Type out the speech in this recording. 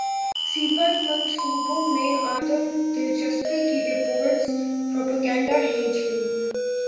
سی pack منصوبوں میں عدم دلچسپی کی رپورٹس پروپیگنڈا ہیں چین